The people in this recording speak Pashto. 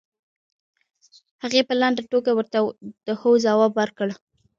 هغې په لنډه توګه ورته د هو ځواب ورکړ.